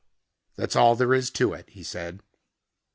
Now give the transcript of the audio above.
"That's all there is to it," he said.